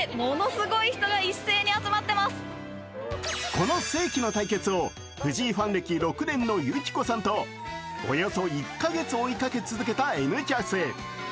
この世紀の対決を藤井ファン歴６年のゆきこさんとおよそ１か月、追いかけ続けた「Ｎキャス」。